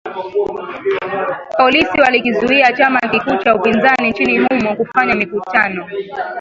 Polisi walikizuia chama kikuu cha upinzani nchini humo kufanya mikutano